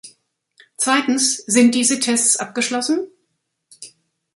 Zweitens, sind diese Tests abgeschlossen?